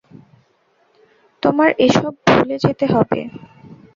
তোমার এসব ভুলে যেতে হবে।